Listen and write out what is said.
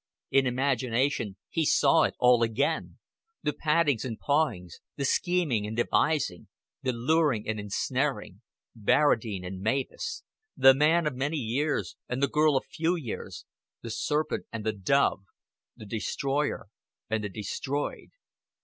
In imagination he saw it all again the pattings and pawings, the scheming and devising, the luring and ensnaring Barradine and Mavis the man of many years and the girl of few years, the serpent and the dove, the destroyer and the destroyed.